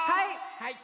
はい！